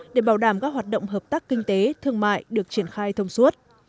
để bảo đảm các hoạt động hợp tác kinh tế thương mại được triển khai thông suốt